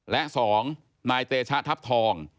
และ๒นายเตชะทัพทอง